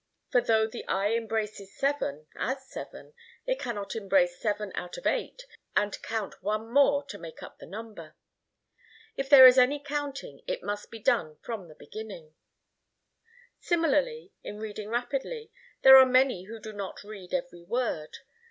For though the eye embraces seven, as seven, it cannot embrace seven out of eight and count one more to make up the number. If there is any counting it must be done from the very beginning. Similarly, in reading rapidly, there are many who do not read every word.